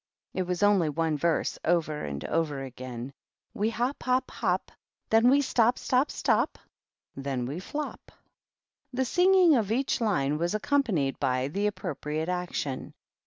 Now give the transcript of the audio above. It was only one verse over and over again :" We hop, hop, hop. Then we stop, stop, stop, Then we flop.^^ The singing of each line was accompanied bj the appropriate action.